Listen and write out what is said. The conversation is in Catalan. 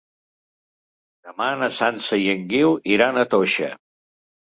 Demà na Sança i en Guiu iran a Toixa.